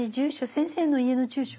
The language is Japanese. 先生の家の住所？